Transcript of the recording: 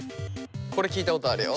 これ聞いたことあるよ。